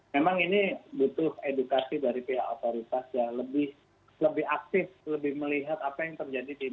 memang ini butuh edukasi dari pihak otoritas yang lebih aktif lebih melihat apa yang terjadi di indonesia